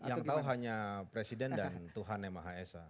yang tahu hanya presiden dan tuhan yang maha esa